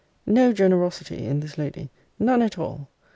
No generosity in this lady. None at all.